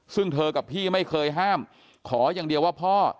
ซึ่งเธอกับพี่ไม่เคยห้ามขออย่างเดียวว่าพ่อ